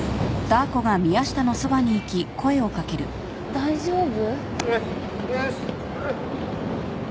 大丈夫？